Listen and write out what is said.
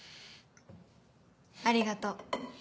ありがとう。